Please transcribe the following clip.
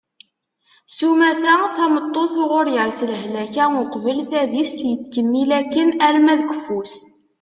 sumata tameṭṭut uɣur yers lehlak-a uqbel tadist yettkemmil akken arma d keffu-s